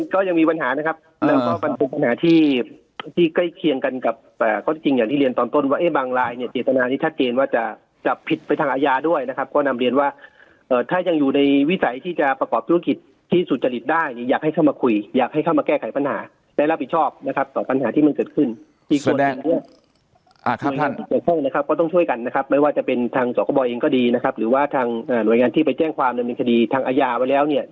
ก็ยังมีปัญหานะครับแล้วก็มีปัญหาที่ใกล้เคียงกันกับข้อจริงอย่างที่เรียนตอนต้นว่าบางลายเนี่ยเจตนานิทัศน์เจนว่าจะผิดไปทางอาญาด้วยนะครับก็นำเรียนว่าถ้ายังอยู่ในวิสัยที่จะประกอบธุรกิจที่สุจริตได้อยากให้เข้ามาคุยอยากให้เข้ามาแก้ไขปัญหาและรับผิดชอบนะครับต่อปัญหาที่มันเก